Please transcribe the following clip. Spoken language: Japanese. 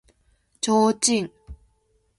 提灯